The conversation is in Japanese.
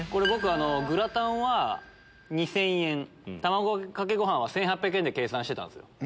僕グラタンは２０００円卵かけご飯は１８００円で計算してたんです。